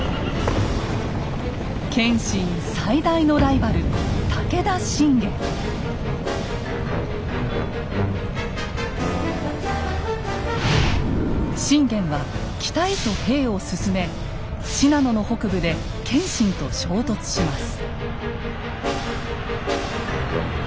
謙信最大のライバル信玄は北へと兵を進め信濃の北部で謙信と衝突します。